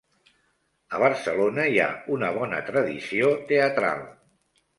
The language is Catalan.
A Barcelona hi ha una bona tradició teatral.